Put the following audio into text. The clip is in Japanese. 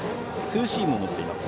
ツーシームも持っています。